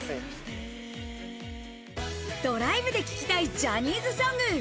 ドライブで聴きたいジャニーズソング。